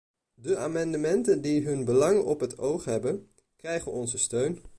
De amendementen die hun belangen op het oog hebben, krijgen onze steun.